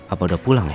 apa udah pulang ya